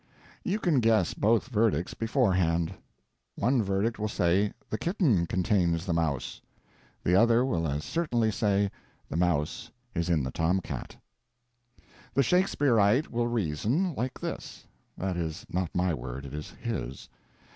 You can guess both verdicts beforehand. One verdict will say the kitten contains the mouse; the other will as certainly say the mouse is in the tom cat. The Shakespearite will Reason like this—(that is not my word, it is his).